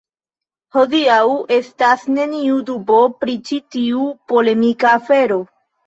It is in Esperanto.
Hodiaŭ estas neniu dubo pri ĉi tiu polemika afero.